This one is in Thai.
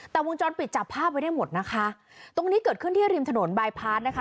แต่วงจรปิดจับภาพไว้ได้หมดนะคะตรงนี้เกิดขึ้นที่ริมถนนบายพาร์ทนะคะ